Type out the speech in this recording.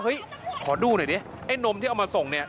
ขอดูหน่อยดิไอ้นมที่เอามาส่งเนี่ย